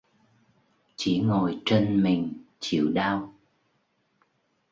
Chỉ ngồi trân mình chịu đau